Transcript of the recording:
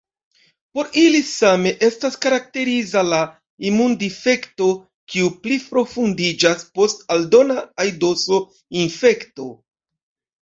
Por ili same estas karakteriza la imundifekto, kiu pliprofundiĝas post aldona aidoso-infekto.